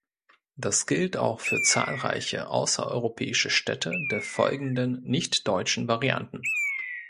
Das gilt auch für zahlreiche außereuropäische Städte der folgenden nicht-deutschen Varianten.